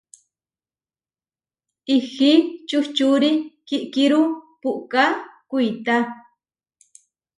Ihí čučuri kiʼkíru puʼká kuitá.